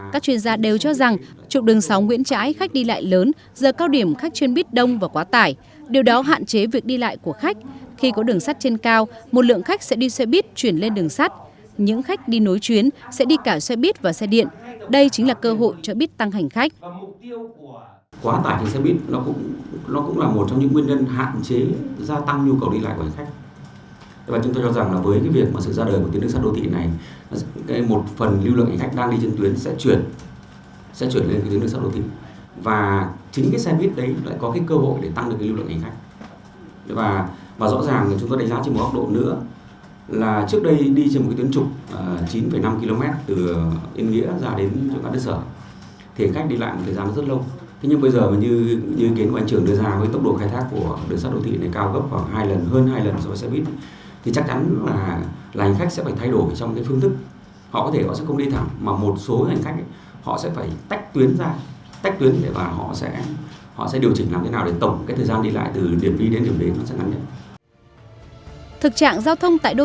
các chuyên gia đều cho rằng trục đường sáu nguyễn trãi khách đi lại lớn giờ cao điểm khách chuyên bít đông và quá tải điều đó hạn chế việc đi lại đường sắt những khách đi nối chuyến sẽ đi cả xe bít và xe điện đây chính là cơ hội cho bít tăng hành khách